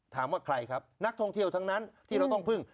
ถามว่าใครครับนักท่องเที่ยวทั้งนั้นที่เราต้องพึ่ง